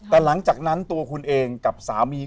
แต่หลังจากนั้นตัวคุณเองกับสามี